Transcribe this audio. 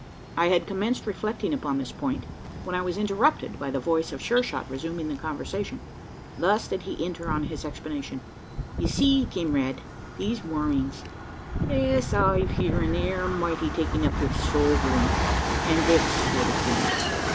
I had commenced reflecting upon this point, when I was interrupted by the voice of Sure shot resuming the conversation. Thus did he enter on his explanation: "Ye see, kimrade, these Mormings, es I've heern, air mighty taken up wi' sogerin', an' thet sort o' thing.